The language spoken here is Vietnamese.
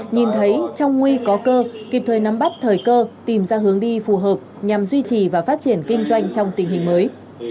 nhìn thấy trong nguy có cơ kịp thời nắm bắt thời cơ tìm ra hướng đi phù hợp nhằm duy trì và phát triển kinh doanh trong tình hình mới